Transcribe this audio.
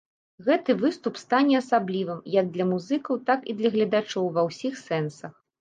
Гэты выступ стане асаблівым, як для музыкаў, так і для гледачоў ва ўсіх сэнсах.